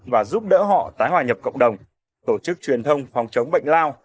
và giúp đỡ họ tái hòa nhập cộng đồng tổ chức truyền thông phòng chống bệnh lao